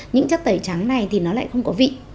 những chất tẩy trắng này thì nó lại không có vị